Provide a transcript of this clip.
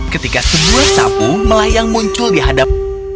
ketika semua sapu melayang muncul di hadap